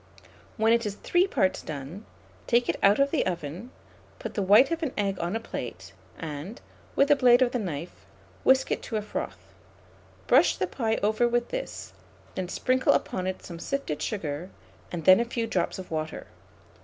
When it is three parts done, take it out of the oven, put the white of an egg on a plate, and, with the blade of a knife, whisk it to a froth; brush the pie over with this, then sprinkle upon it some sifted sugar, and then a few drops of water.